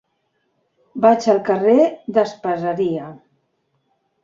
Vaig al carrer d'Espaseria.